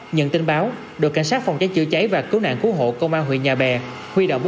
nhận tin báo đội cảnh sát phòng cháy chữa cháy và cứu nạn cứu hộ công an huyện nhà bè huy động